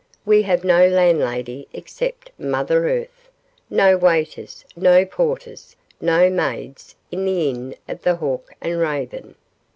We have no landlady except Mother Earth, no waiters, no porters, no maids, in the Inn of the Hawk and Raven.